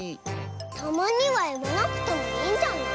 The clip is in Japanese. たまにはいわなくてもいいんじゃない？